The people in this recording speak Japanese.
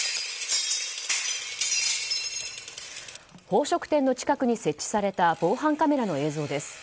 宝飾店の近くに設置された防犯カメラの映像です。